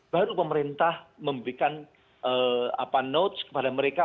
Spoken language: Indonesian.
baru pemerintah memberikan notes kepada mereka